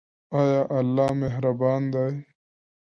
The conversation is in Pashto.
ایا الله مهربان دی؟